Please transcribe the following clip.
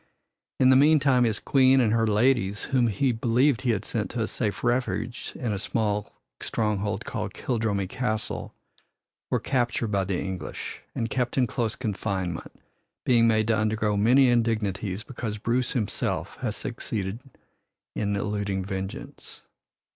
In the meantime his Queen and her ladies, whom he believed he had sent to a safe refuge in a stronghold called Kildrummy Castle, were captured by the English and kept in close confinement, being made to undergo many indignities because Bruce himself had succeeded in eluding vengeance.